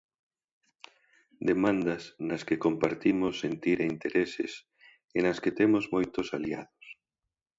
Demandas nas que compartimos sentir e intereses e nas que temos moitos aliados.